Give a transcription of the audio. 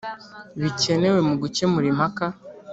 Bikenewe Mu Gukemura Impaka